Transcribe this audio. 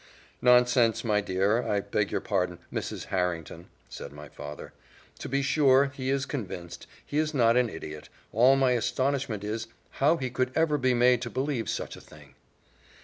"Nonsense! my dear, I beg your pardon, Mrs. Harrington," said my father, "to be sure he is convinced, he is not an idiot all my astonishment is, how he could ever be made to believe such a thing!"